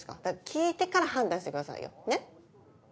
聞いてから判断してくださいよねっ？